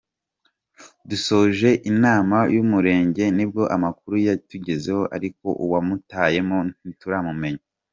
Dusoje inama y’Umurenge nibwo amakuru yatugezeho ariko uwamutayemo ntituramumenya.